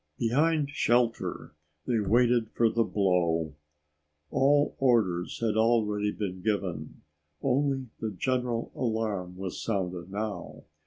Behind shelter, they waited for the blow. All orders had already been given. Only the general alarm was sounded now.